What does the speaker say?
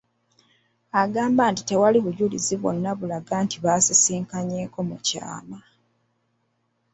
Agamba nti tewali bujulizi bwonna bulaga nti basisinkanyeeko mu kyama.